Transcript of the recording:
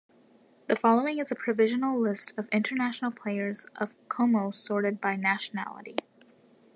The following is a provisional list of international players of Como sorted by nationality.